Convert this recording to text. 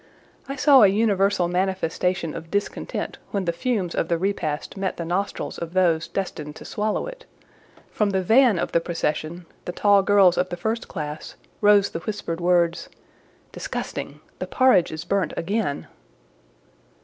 I saw a universal manifestation of discontent when the fumes of the repast met the nostrils of those destined to swallow it; from the van of the procession, the tall girls of the first class, rose the whispered words— "Disgusting! The porridge is burnt again!"